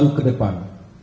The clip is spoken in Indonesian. lalu ke depan